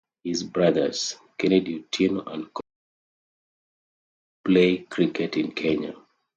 His brothers, Kennedy Otieno and Collins Obuya, both play cricket in Kenya.